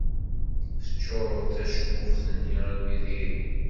Teččuṛed tacmuxt-nni armi d iri.